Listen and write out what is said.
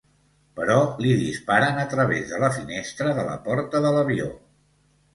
Però li disparen a través de la finestra de la porta de l'avió.